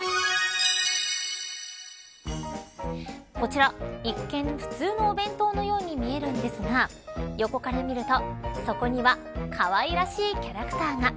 こちら一見、普通のお弁当のように見えるんですが横から見ると、そこにはかわいらしいキャラクターが。